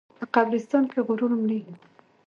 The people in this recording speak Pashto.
په قبرستان کې غرور مري.